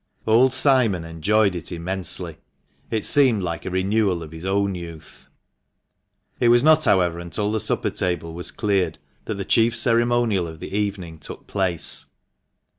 Old Simon enjoyed it immensely. It seemed like a renewal of his own youth. It was not, however, until the supper table was cleared that the chief ceremonial of the evening took place.